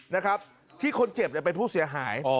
ได้คะที่คนเจ็บเป็นผู้เสียหาย